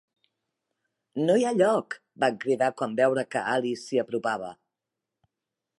"No hi ha lloc!", van cridar quan van veure que Alice s'hi apropava.